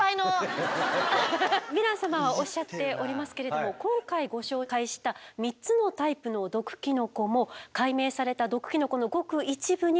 ヴィラン様はおっしゃっておりますけれども今回ご紹介した３つのタイプの毒キノコも解明された毒キノコのごく一部にすぎません。